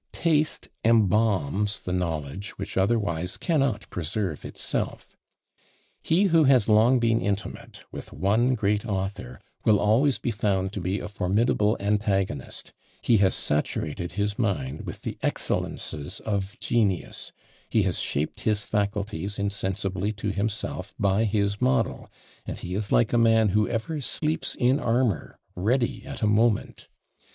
Taste embalms the knowledge which otherwise cannot preserve itself. He who has long been intimate with one great author will always be found to be a formidable antagonist; he has saturated his mind with the excellences of genius; he has shaped his faculties insensibly to himself by his model, and he is like a man who ever sleeps in armour, ready at a moment!